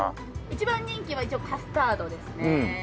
一番人気は一応カスタードですね。